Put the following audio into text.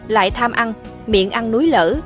lại tham ăn miệng ăn núi lở